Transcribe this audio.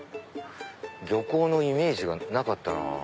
漁港のイメージがなかったなぁ。